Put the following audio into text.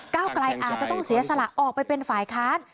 เก้าไกลอาจจะต้องเสียสละออกไปเป็นฝ่ายค้าน